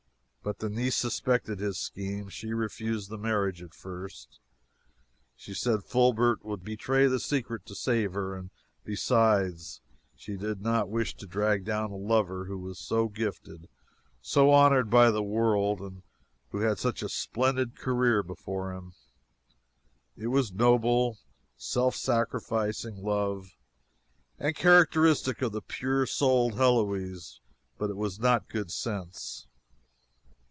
But the niece suspected his scheme. She refused the marriage at first; she said Fulbert would betray the secret to save her, and besides, she did not wish to drag down a lover who was so gifted, so honored by the world, and who had such a splendid career before him. It was noble, self sacrificing love, and characteristic of the pure souled Heloise, but it was not good sense.